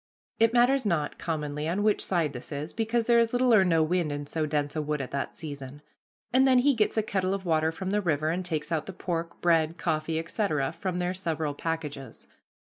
It matters not, commonly, on which side this is, because there is little or no wind in so dense a wood at that season; and then he gets a kettle of water from the river, and takes out the pork, bread, coffee, etc., from their several packages.